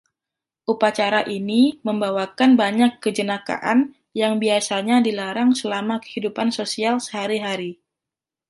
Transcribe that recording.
Upacara ini membawakan banyak kejenakaan yang biasanya dilarang selama kehidupan sosial sehari-hari.